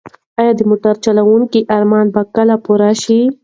ایا د موټر چلونکي ارمان به کله پوره شي؟